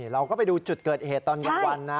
เราก็ไปดูจุดเกิดเหตุตอนกลางวันนะ